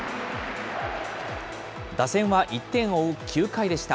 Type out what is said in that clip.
打線は１点を追う９回でした。